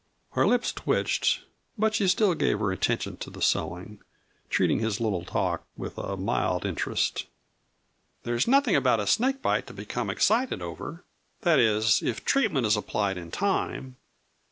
Her lips twitched, but she still gave her attention to her sewing, treating his talk with a mild interest. "There is nothing about a snake bite to become excited over. That is, if treatment is applied in time.